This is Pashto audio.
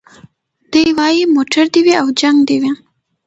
دی وايي موټر دي وي او جنګ دي وي